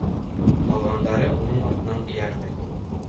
Ҡалғандар уның артынан эйәрҙе.